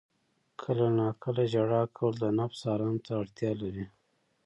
• کله ناکله ژړا کول د نفس آرام ته اړتیا لري.